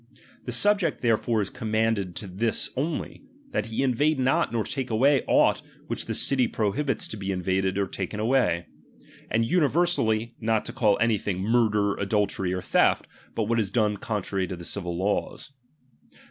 The subject therefore is commanded this only, that he invade not nor take away aught ^which the city prohibits to be invaded or taken away ; and universally, not to call anything )««r 4ler, adultery, or theft, but what is done contrary "to the civil laws.